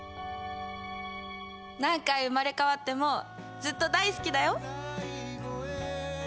何回生まれ変わってもずっと大好きだよ。